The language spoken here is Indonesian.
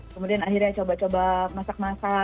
kemudian akhirnya coba coba masak masak